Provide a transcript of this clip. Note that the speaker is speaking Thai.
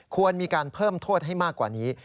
ควรมีการเพิ่มโทษให้มากกว่านี้